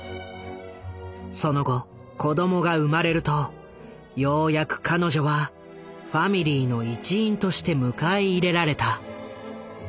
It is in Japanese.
その後子どもが生まれるとようやく彼女はファミリーの一員として迎え入れられた。